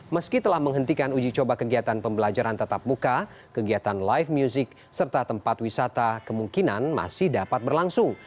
meski telah menghentikan uji coba kegiatan pembelajaran tatap muka kegiatan live music serta tempat wisata kemungkinan masih dapat berlangsung